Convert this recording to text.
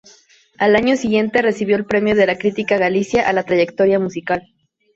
Al año siguiente recibió el Premio de la Crítica Galicia a la trayectoria musical.